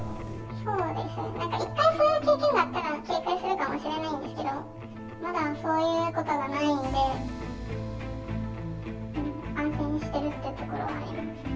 そうですね、なんか、一回そういう警戒するかもしれないんですけど、まだそういうことがないんで、安心してるってところはあります。